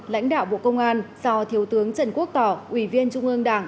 lãnh đạo bộ công an do thiếu tướng trần quốc tỏ ủy viên trung ương đảng